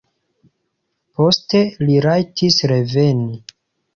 Poste li rajtis reveni.